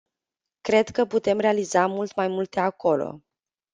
Cred că putem realiza mult mai multe acolo.